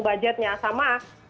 misalnya sih tergantung budgetnya